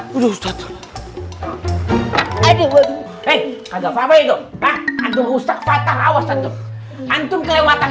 hai udah ustadz aduh eh kagak apa itu pak ada rusak fatah awasan tuh antum kelewatannya